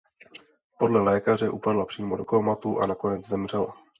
Podle lékaře upadla přímo do kómatu a nakonec zemřela.